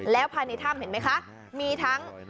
แล้วภายในถ้ำเห็นไหมคะมีทั้ง